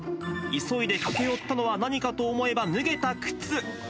急いで駆け寄ったのは何かと思えば、脱げた靴。